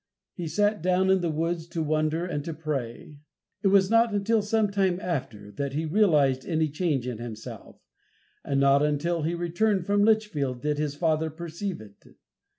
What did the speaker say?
He sat down in the woods to wonder and to pray. It was not until some time after that he realized any change in himself, and not until he returned from Litchfield did his father perceive it.